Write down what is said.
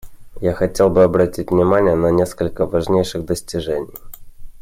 Я хотел бы обратить внимание на несколько важнейших достижений.